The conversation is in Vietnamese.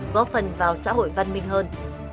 góp phần vào xã hội văn minh hơn